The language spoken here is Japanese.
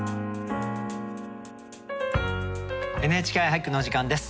「ＮＨＫ俳句」の時間です。